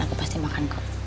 aku pasti makan kok